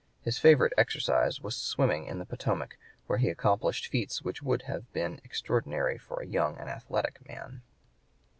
His favorite exercise was swimming in the Potomac, where he accomplished feats which would have been extraordinary for a young and athletic man.